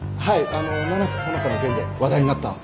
あの七瀬ほのかの件で話題になった。